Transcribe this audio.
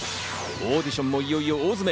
オーディションもいよいよ大詰め。